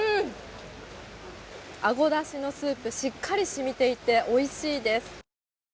あごだしのスープ、しっかり染みていて、おいしいです。